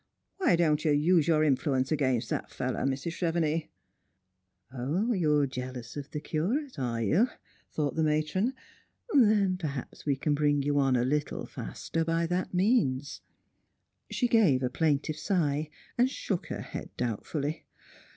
" Why don't you use your influence against that fellow, Mrs. Chevenix? "" 0, you're jealous of the Curate, arc you? " tlionght the matron; " then perhaps we can bring you on a little faster by ttiat means."' Strangers and Pilgrmt. 117 She gave a plaintive sigh, and shook her head doubtfully.